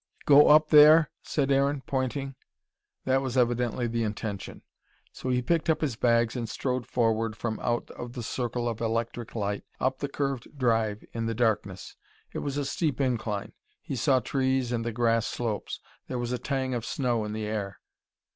"Go up there?" said Aaron, pointing. That was evidently the intention. So he picked up his bags and strode forward, from out of the circle of electric light, up the curved drive in the darkness. It was a steep incline. He saw trees and the grass slopes. There was a tang of snow in the air.